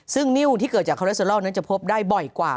ซึ่งนิ้วที่เกิดจากคอเลสเตอรอลนั้นจะพบได้บ่อยกว่า